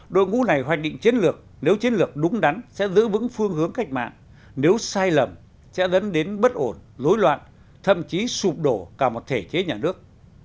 đội ngũ này hoạch định chiến lược nếu chiến lược đúng đắn sẽ giữ vững phương hướng cách mạng nếu sai lầm sẽ dẫn đến bất ổn dối loạn thậm chí sụp đổ cả một thể chế nhà nước